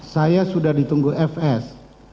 saya sudah ditunggu fs